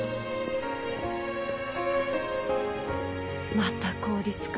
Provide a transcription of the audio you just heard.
また効率か。